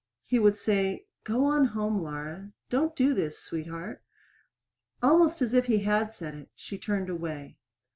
He would say, "Go on home, Laura." "Don't do this, sweetheart." Almost as if he had said it, she turned away.